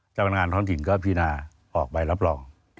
พนักงานท้องถิ่นก็พินาออกใบรับรอง